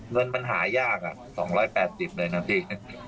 เงินมันหายาก๒๘๐เลยนะพี่